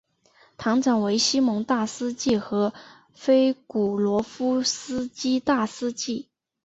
堂长为西蒙大司祭和菲古罗夫斯基大司祭。